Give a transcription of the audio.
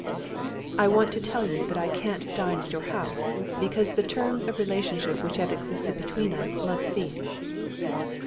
"I want to tell you that I can't dine at your house, because the terms of relationship which have existed between us must cease."